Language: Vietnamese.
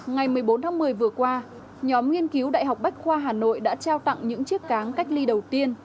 ngày một mươi bốn tháng một mươi vừa qua nhóm nghiên cứu đại học bách khoa hà nội đã trao tặng những chiếc cáng cách ly đầu tiên